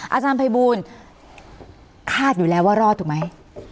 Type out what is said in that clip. อาจารย์ภัยบูลคาดอยู่แล้วว่ารอดถูกไหม